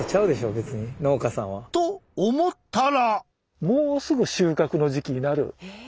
別に農家さんは。と思ったら！